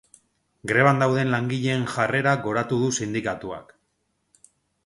Greban dauden langileen jarrera goratu du sindikatuak.